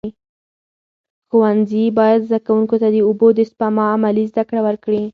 ښوونځي باید زده کوونکو ته د اوبو د سپما عملي زده کړه ورکړي.